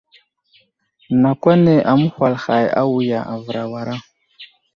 Nakw ane aməhwal hay awiya, avər awara.